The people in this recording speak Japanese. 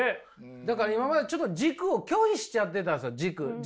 だから今までちょっと軸を拒否しちゃってたんですよ。軸軸。